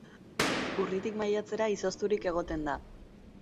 Urritik maiatzera izozturik egoten da.